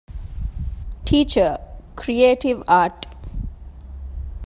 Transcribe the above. ޓީޗަރ - ކްރިއޭޓިވް އާރޓް